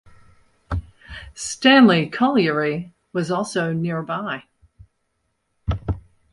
Stanley Colliery was also nearby.